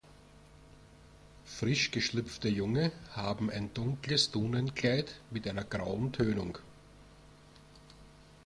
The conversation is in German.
Frisch geschlüpfte Junge haben ein dunkles Dunenkleid mit einer grauen Tönung.